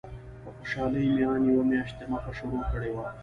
له خوشالۍ مې ان یوه میاشت دمخه شروع کړې وه.